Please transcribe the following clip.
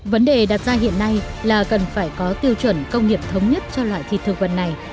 vấn đề đặt ra hiện nay là cần phải có tiêu chuẩn công nghiệp thống nhất cho loại thịt thực vật này